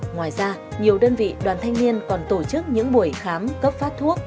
ngoài ra nhiều đơn vị đoàn thanh niên còn tổ chức những buổi khám cấp phát thuốc